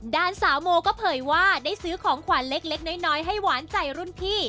ด้านสาวโมก็เผยว่าได้ซื้อของขวัญเล็กน้อยให้หวานใจรุ่นพี่